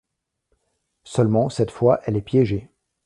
Seulement cette fois elle est piégée.